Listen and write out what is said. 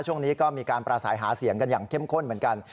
ช่วงนี้ก็มีการประสัยหาเสียงกันอย่างเข้มข้นเหมือนกัน